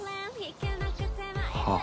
はあ。